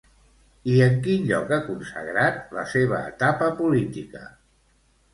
I en quin lloc ha consagrat la seva etapa política?